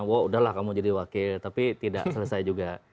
wah udahlah kamu jadi wakil tapi tidak selesai juga